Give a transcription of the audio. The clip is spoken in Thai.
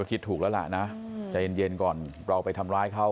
คิดถูกแล้วล่ะนะใจเย็นก่อนเราไปทำร้ายเขา